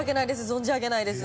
存じ上げないです。